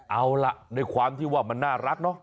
เอาล่ะในความที่ว่ามันน่ารักเนาะ